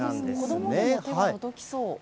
子どもでも手が届きそう。